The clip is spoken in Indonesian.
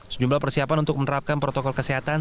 sejumlah persiapan untuk menerapkan protokol kesehatan